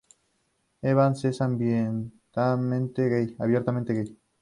Evans es abiertamente gay.